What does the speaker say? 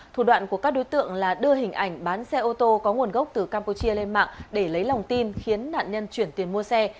thủ đoạn của các đối tượng là đưa hình ảnh bán xe ô tô có nguồn gốc từ campuchia lên mạng để lấy lòng tin khiến nạn nhân chuyển tiền mua xe